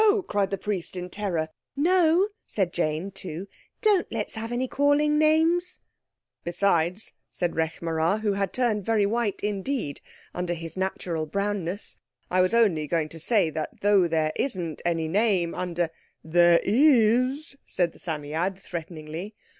cried the Priest in terror. "No," said Jane, too. "Don't let's have any calling names." "Besides," said Rekh marā, who had turned very white indeed under his natural brownness, "I was only going to say that though there isn't any name under—" "There is," said the Psammead threateningly.